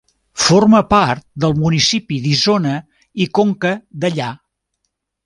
Forma part del municipi d'Isona i Conca Dellà.